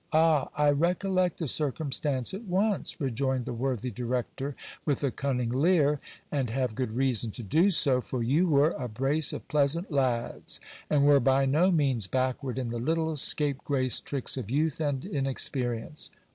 Ah ! I recollect the circumstance at once, rejoined the worthy director with a cunning leer, and have good reason to do so ; for you were a brace of pleasant lads, and were by no means backward in the little scape grace tricks of youth and inexperience.